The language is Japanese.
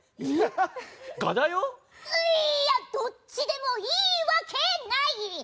いーやどっちでもいいわけない！